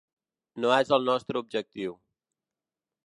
No és el nostre objectiu.